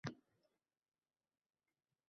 Shundan keyin kitobni toʻliq oʻqib chiqdim.